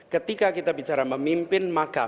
ketika kita bicara memimpin maka